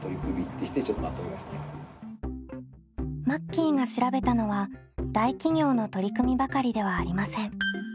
マッキーが調べたのは大企業の取り組みばかりではありません。